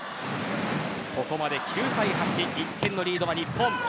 ここまで９対８１点のリードは日本。